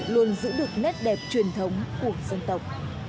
luôn giữ được nét đẹp truyền thống của dân tộc